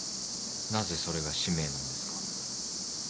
なぜそれが使命なんですか？